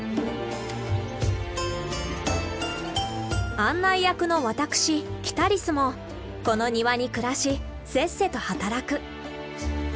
案内役の私キタリスもこの庭に暮らしせっせと働く。